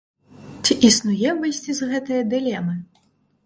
Ці існуе выйсце з гэтае дылемы?